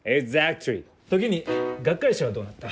時に学会誌はどうなった？